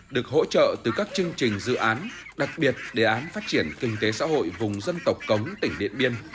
được hỗ trợ từ các chương trình dự án đặc biệt đề án phát triển kinh tế xã hội vùng dân tộc cống tỉnh điện biên